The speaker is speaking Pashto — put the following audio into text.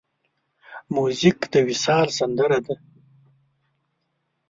موزیک د وصال سندره ده.